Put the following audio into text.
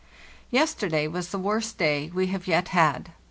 Yesterday was the worst day we have yet had.